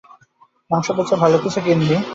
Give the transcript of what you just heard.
মাংস বেঁচে ভালো কিছু কিনবি।